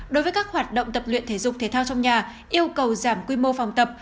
đối với các hoạt động tập luyện thể dục thể thao trong nhà yêu cầu giảm quy mô phòng tập